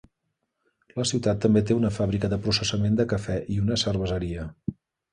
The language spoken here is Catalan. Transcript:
La ciutat també té una fàbrica de processament de cafè i una cerveseria.